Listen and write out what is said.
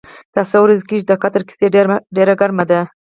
دا څو ورځې کېږي چې د قطر کیسه ډېره ګرمه ده.